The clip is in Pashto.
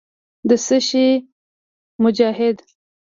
د څه شي مجاهد.